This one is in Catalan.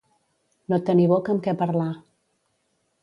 No tenir boca amb què parlar.